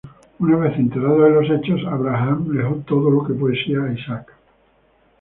Una vez enterado de los hechos, Abraham legó todo lo que poseía a Isaac.